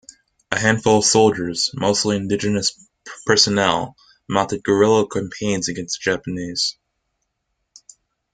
A handful of soldiers, mostly indigenous personnel, mounted guerilla campaigns against the Japanese.